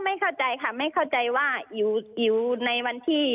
ก็ไม่เข้าใจค่ะไม่เข้าใจว่าอยู่ในวันที่๒